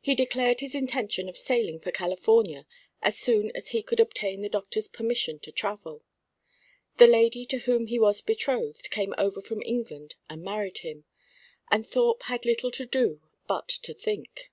He declared his intention of sailing for California as soon as he could obtain the doctor's permission to travel. The lady to whom he was betrothed came over from England and married him; and Thorpe had little to do but to think.